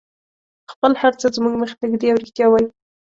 خپل هر څه زموږ مخې ته ږدي او رښتیا وایي.